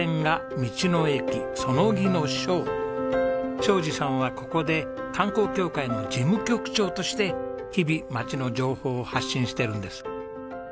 将次さんはここで観光協会の事務局長として日々町の情報を発信してるんです。